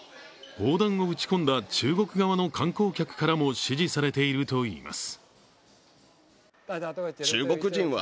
砲弾を撃ち込んだ中国側の観光客からも支持されているといいます。